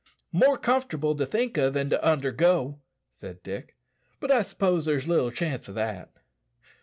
"More comfortable to think o' than to undergo," said Dick; "but I s'pose there's little chance o' that."